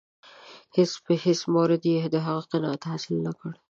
خو په هېڅ مورد کې یې د هغه قناعت حاصل نه کړ.